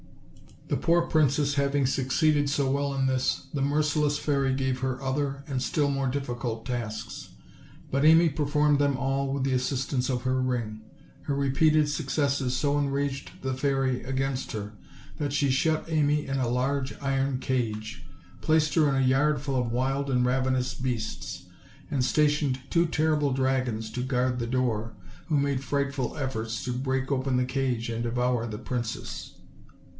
The poor princess having succeeded so well in this, the merciless fairy gave her other and still more difficult tasks; but Amy performed them all with the assistance of her ring. Her repeated successes so enraged the fairy against her that she shut Amy in a large iron cage, placed her in a yard full of wild and ravenous beasts, and stationed two terrible dragons to guard the door, who made frightful efforts to break open the cage and devour the princess.